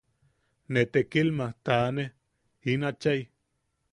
Ne tekilmaj- tane in achai.